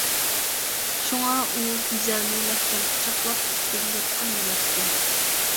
شۇڭا ئۇ گۈزەلنى مەھكەم قۇچاقلاپ ئۈستىگە يوتقاننى ياپتى.